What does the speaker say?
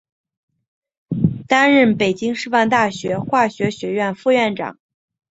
担任北京师范大学化学学院副院长。